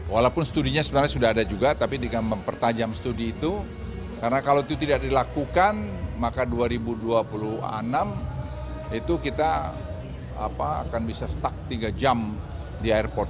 walaupun studinya sebenarnya sudah ada juga tapi dengan mempertajam studi itu karena kalau itu tidak dilakukan maka dua ribu dua puluh enam itu kita akan bisa stuck tiga jam di airport